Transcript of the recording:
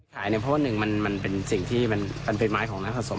เนี่ยเพราะว่าหนึ่งมันเป็นสิ่งที่มันเป็นไม้ของน้ำผสม